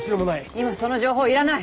今その情報いらない。